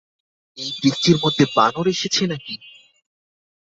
এই বৃষ্টির মধ্যে বানর এসেছে নাকি?